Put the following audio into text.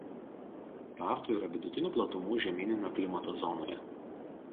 Tartu yra vidutinių platumų žemyninio klimato zonoje.